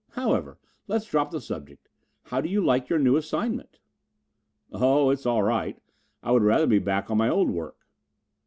However, let's drop the subject. How do you like your new assignment?" "Oh, it's all right. I would rather be back on my old work."